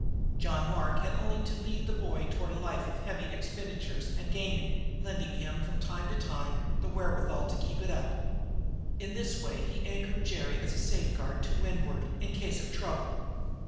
John Mark had only to lead the boy toward a life of heavy expenditures and gaming, lending him, from time to time, the wherewithal to keep it up. In this way he anchored Jerry as a safeguard to windward, in case of trouble.